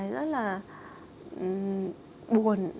rất là buồn